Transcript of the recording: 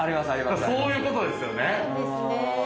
そういうことですよね。ですね。